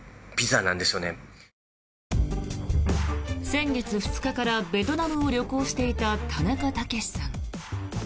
先月２日からベトナムを旅行していたタナカタケシさん。